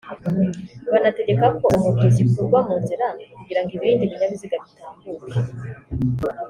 banategeka ko izo moto zikurwa mu nzira kugira ngo ibindi binyabiziga bitambuke